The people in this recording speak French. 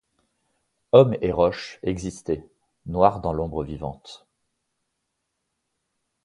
Homme et roche, exister, noir dans l’ombre vivante !